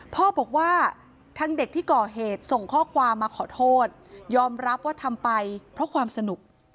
พ่อบอกว่าทางเด็กที่ก่อเหตุส่งข้อความมาขอโทษยอมรับว่าทำไปเพราะความสนุก